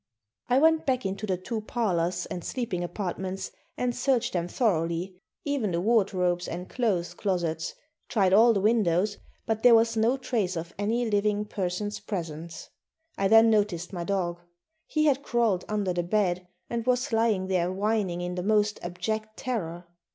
I went back into the two parlors and sleeping apartments and searched them thoroughly, even the wardrobes and clothes closets; tried all the windows, but there was no trace of any living person's presence. I then noticed my dog. He had crawled under the bed and was lying there whining in the most abject terror.